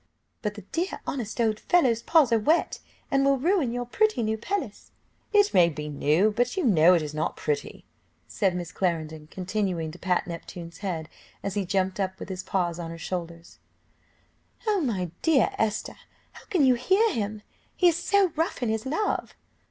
"But the dear, honest, old fellow's paws are wet, and will ruin your pretty new pelisse." "It may be new, but you know it is not pretty," said Miss Clarendon, continuing to pat Neptune's head as he jumped up with his paws on her shoulders. "O my dear Esther, how can you bear him? he is so rough in his love!"